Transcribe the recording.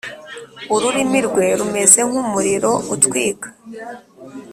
ururimi rwe rumeze nk’umuriro utwika.